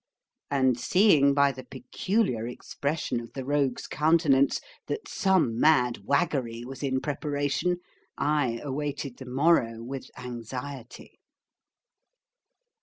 And seeing by the peculiar expression of the rogue's countenance, that some mad waggery was in preparation, I awaited the morrow with anxiety.